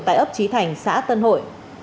tại ấp trí thành xã tân hội